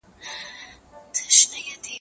زه به د ښوونځي کتابونه مطالعه کړي وي!